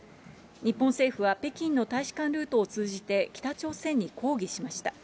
日本政府は北京の大使館ルートを通じて、北朝鮮に抗議しました。